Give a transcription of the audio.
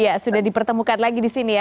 ya sudah dipertemukan lagi di sini ya